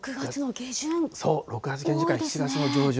そう、６月下旬から７月の上旬。